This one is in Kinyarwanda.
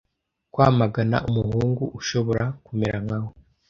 kwamagana umuhungu ushobora kumera nkawe